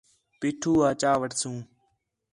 پیٹھو آ چا وٹھسوں